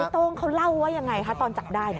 โต้งเขาเล่าว่ายังไงคะตอนจับได้